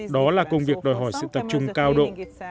đó là công việc đòi hỏi sự tập trung cao độ